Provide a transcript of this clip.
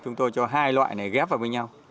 chúng tôi cho hai loại này ghép vào với nhau